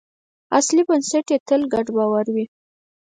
اصلي بنسټ یې تل ګډ باور وي.